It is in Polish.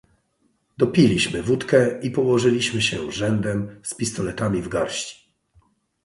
"Dopiliśmy wódkę i położyliśmy się rzędem, z pistoletami w garści."